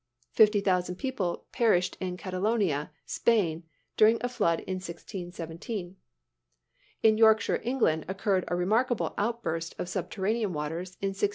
Fifty thousand people perished in Catalonia, Spain, during a flood in 1617. In Yorkshire, England, occurred a remarkable outburst of subterranean waters in 1686.